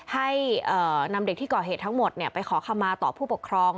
ให้นำเด็กที่ก่อเหตุทั้งหมดไปขอคำมาต่อผู้ปกครอง